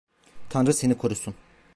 Tanrı seni korusun.